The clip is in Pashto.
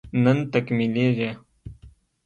نن تکميلېږي